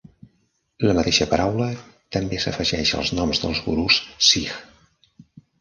La mateixa paraula també s'afegeix als noms dels gurus Sikh.